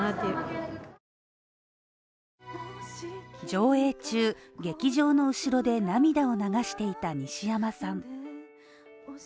上映中、劇場の後ろで涙を流していた西山さん